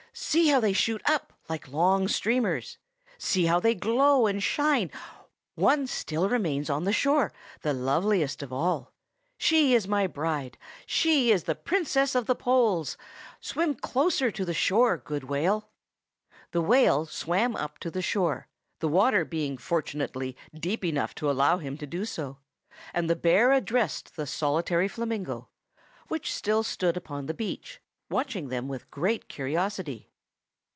See how they shoot up, like long streamers! See how they glow and shine! One still remains on the shore, the loveliest of all. She is my bride! She is the Princess of the Poles! Swim close to the shore, good Whale!" The whale swam up to the shore, the water being fortunately deep enough to allow him to do so, and the bear addressed the solitary flamingo, which still stood upon the beach, watching them with great curiosity.